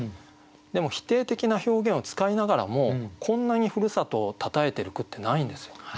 でも否定的な表現を使いながらもこんなにふるさとをたたえてる句ってないんですよ。